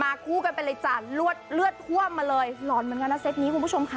มากู้กันไปเลยจ๊ะเลือดหัวมาเลยร้อนเหมือนกันนะเซตนี้คุณผู้ชมค่ะ